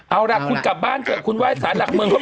เอาละคุณกลับบ้านเธอคุณไว้สารกรรมเมือง